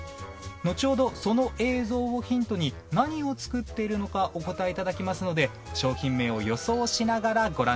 のちほどその映像をヒントに何を作っているのかお答え頂きますので商品名を予想しながらご覧ください。